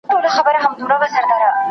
د ژوند ارزښت وپیژنئ.